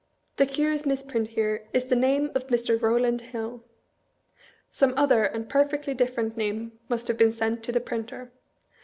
The curious misprint, here, is the name of Mr. Eowland Hill. Some other and perfectly different name must have been sent to the printer.